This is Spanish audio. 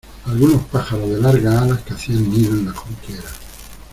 algunos pájaros de largas alas, que hacían nido en la junquera